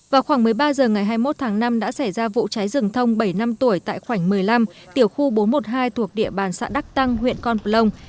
vào khoảng một mươi ba h ngày hai mươi một tháng năm đã xảy ra vụ cháy rừng thông bảy năm tuổi tại khoảnh một mươi năm tiểu khu bốn trăm một mươi hai thuộc địa bàn xã đắc tăng huyện con plông